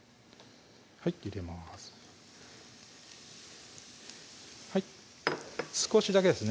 はい入れます少しだけですね